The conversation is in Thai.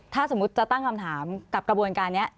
ถ้าสมมุติจะตั้งคำถามกับกระบวนการนี้